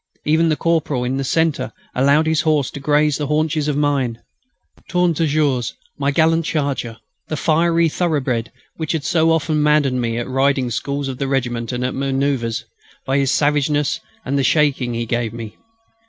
Even the corporal in the centre allowed his horse to graze the haunches of mine, "Tourne Toujours," my gallant charger, the fiery thoroughbred which had so often maddened me at the riding schools of the regiment and at manoeuvres, by his savageness and the shaking he gave me.